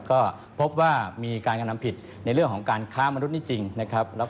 ก็พบว่ามีการกระทำผิดในเรื่องของการค้ามนุษย์นี่จริงนะครับ